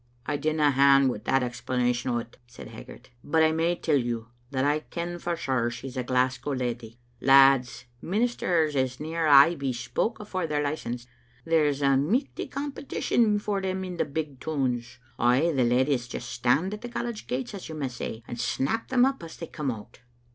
*'I dinna hand wi' that explanation o't," said Hag gart, "but I may tell you that I ken for sure she's a Glasgow leddy. Lads, ministers is near aye bespoke afore they're licensed. There's a michty competition for them in the big toons. Ay, the leddies just stand at the college gates, as you may say, and snap them up as they come out."